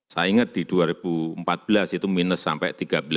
saya ingat di dua ribu empat belas itu minus sampai tiga belas